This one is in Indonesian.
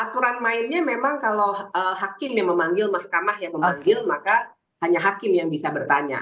aturan mainnya memang kalau hakim yang memanggil mahkamah yang memanggil maka hanya hakim yang bisa bertanya